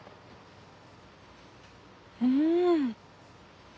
うん！